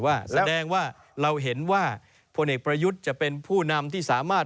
แสดงว่าเราเห็นว่าพลเอกประยุทธ์จะเป็นผู้นำที่สามารถ